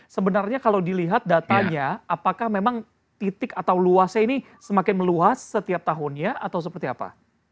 sebenarnya kalau dilihat datanya apakah memang titik atau luasnya ini semakin meluas setiap tahunnya atau seperti apa